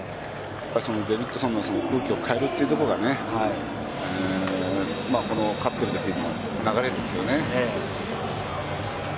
デビッドソンが空気を変えるというところが勝ってるときの流れですね。